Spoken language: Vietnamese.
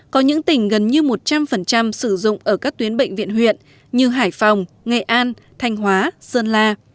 có những tỉnh gần như một trăm linh sử dụng ở các tuyến bệnh viện huyện như hải phòng nghệ an thanh hóa sơn la